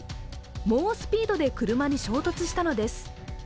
猛スピードで車に衝突したのです。